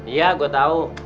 iya gua tau